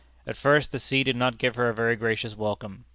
At first the sea did not give her a very gracious welcome.